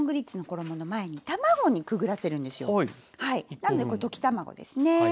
なのでこれ溶き卵ですね。